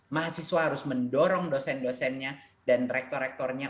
mahasiswa harus mendorong dosen dosennya dan rektor rektornya